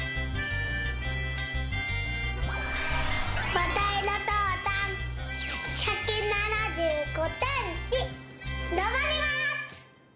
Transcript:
まさひろとうさん１７５センチのぼります！